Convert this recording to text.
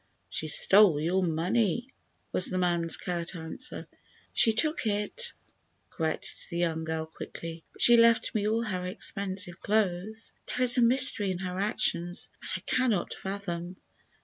"She stole your money," was the man's curt answer. "She took it," corrected the young girl, quickly, "but she left me all her expensive clothes. There is a mystery in her actions that I cannot fathom."